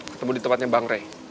ketemu di tempatnya bang rey